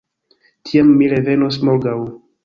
Tiam mi revenos morgaŭ.